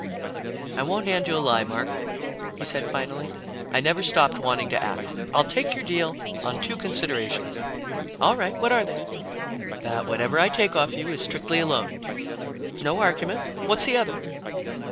"I won't hand you a lie, Mark," he said finally. "I never stopped wanting to act. I'll take your deal on two considerations." "All right, what are they?" "That whatever I take off you is strictly a loan." "No argument. What's the other?"